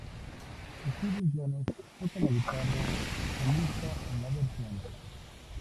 Steve Jones toca la guitarra solista en la versión.